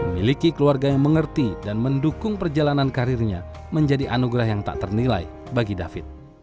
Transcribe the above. miliki keluarga yang mengerti dan mendukung perjalanan karirnya menjadi anugerah yang tak ternilai bagi david